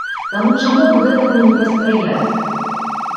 Таму чаму б гэтаму не паспрыяць?